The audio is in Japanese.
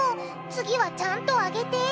次はちゃんと揚げて！